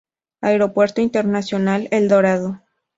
Aeropuerto Internacional El Dorado.